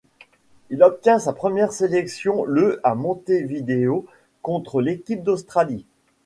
Il obtient sa première sélection le à Montevideo contre l'équipe d'Australie.